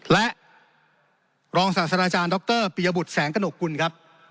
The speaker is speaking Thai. และรองศาสตราจารย์ดรปียบุตรแสงกระหนกกุลครับ